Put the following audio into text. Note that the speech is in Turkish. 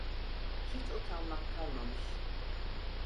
Hiç utanmak kalmamış…